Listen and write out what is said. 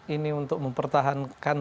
ini untuk mempertahankan